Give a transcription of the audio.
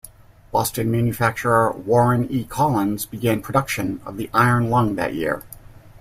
Boston manufacturer Warren E. Collins began production of the iron lung that year.